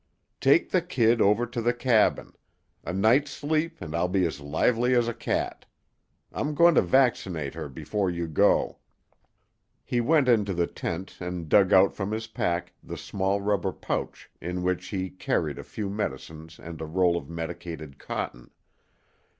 "Take the kid over to the cabin. A night's sleep and I'll be as lively as a cat. I'm going to vaccinate her before you go." He went into the tent and dug out from his pack the small rubber pouch in which he carried a few medicines and a roll of medicated cotton.